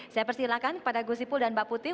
saya persilahkan kepada gusipul dan mbak putih